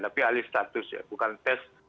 tapi alih status ya bukan tes